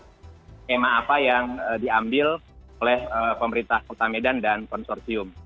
apa skema yang diambil oleh pemerintah kota medan dan konsortium